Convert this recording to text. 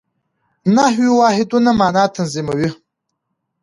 نحوي واحدونه مانا تنظیموي.